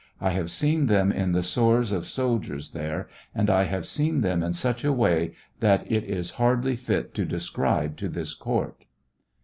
I have seen them in the sores of soldiers there, and I have seen them in such a way that it is hardly fit to describe in this court.